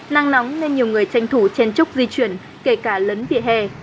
năng nóng nên nhiều người tranh thủ trên chốc di chuyển kể cả lấn vỉa hè